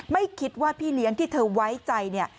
ไม่คิดว่าพี่เลี้ยงที่เธอไว้ใจเนี่ย